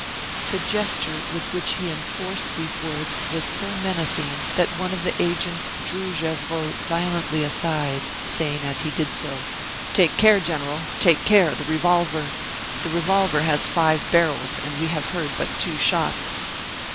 The gesture with which he enforced these words was so menacing that one of the agents drew Gevrol violently aside, saying, as he did so; "Take care, General, take care! The revolver has five barrels, and we have heard but two shots."